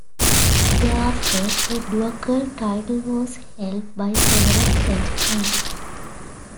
Thereafter, the ducal title was held by several French princes.